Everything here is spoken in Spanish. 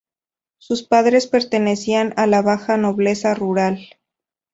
Sus padres pertenecían a la baja nobleza rural.